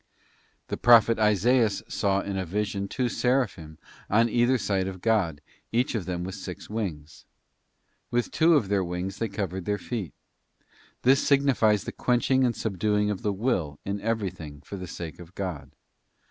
The prophet Isaias saw in a vision two seraphim on either side of God, each of them with six wings. With two of their wings they covered their feet. This signifies the quenching and subduing of the will in everything for the sake of God.